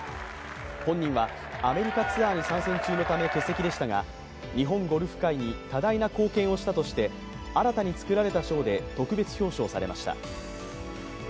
本人はアメリカツアーに参戦中のため欠席でしたが日本ゴルフ界に多大な貢献をしたとして新たに作られた賞で特別表彰されました。